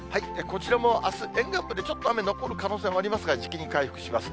こちらもあす、沿岸部でちょっと雨残る可能性もありますが、じきに回復します。